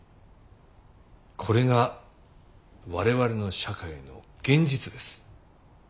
これが我々の社会の現実です。